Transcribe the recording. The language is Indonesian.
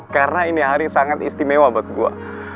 karena ini hari sangat istimewa buat gue